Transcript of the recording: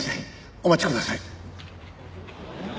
お待ちください」